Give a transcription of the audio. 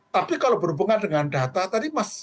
tapi kalau berhubungan dengan data tadi mas